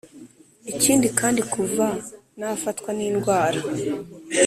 ikindi kandi kuva nafatwa nindwara,